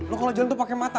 lo kalau jalan tuh pakai mata